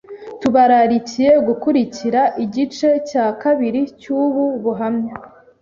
Tubararikiye gukurikira igice cya kabiri cy’ubu buhamya……